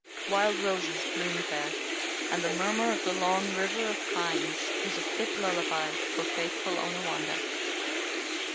Wild roses bloomed there, and the murmur of the Long River of Pines was a fit lullaby for faithful Onawandah.